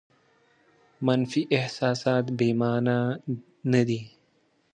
منفي احساسات بې مانا نه دي.